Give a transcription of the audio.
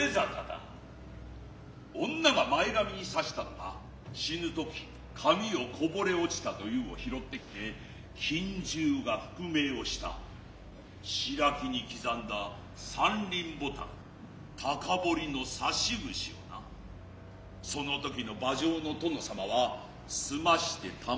婦が前髪にさしたのが死ぬ時髪をこぼれ落ちたと云ふを拾つて来て近習が復命をした白木に刻んだ三輪牡丹高彫のさし櫛をな其の時の馬上の殿様は澄して袂へお入れなさつた。